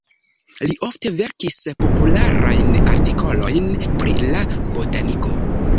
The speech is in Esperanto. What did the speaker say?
Li ofte verkis popularajn artikolojn pri la botaniko.